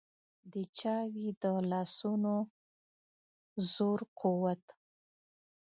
د چا وي د لاسونو زور قوت.